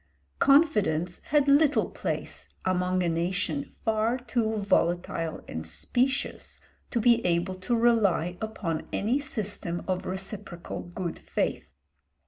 Confidence had little place among a nation far too volatile and specious to be able to rely upon any system of reciprocal good faith.